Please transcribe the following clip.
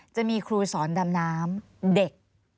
จะมีครูสอนดำน้ำเด็ก